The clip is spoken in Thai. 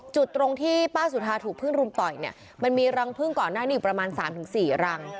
จุดตรงที่ป้าสุธาถูกพึ่งรุมต่อยเนี่ยมันมีรังพึ่งก่อนหน้านี้อยู่ประมาณ๓๔รัง